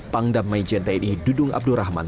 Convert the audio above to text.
pangdam majenteni dudung abdurrahman